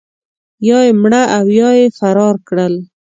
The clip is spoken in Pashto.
یا یې مړه او یا یې فرار کړل.